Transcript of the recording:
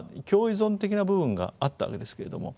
依存的な部分があったわけですけれども。